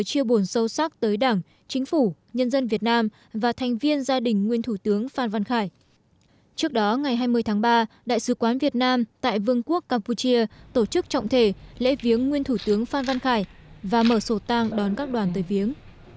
trước đó ngày hai mươi tháng ba đại sứ quán việt nam tại vương quốc campuchia tổ chức trọng thể lễ viếng nguyên thủ tướng phan văn khải và mở sổ tang đón các đoàn tới viếng